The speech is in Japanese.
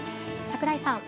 櫻井さん。